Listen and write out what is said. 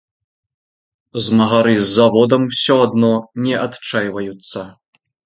Змагары з заводам усё адно не адчайваюцца.